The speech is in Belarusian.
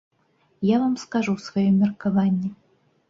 Я вам скажу сваё меркаванне.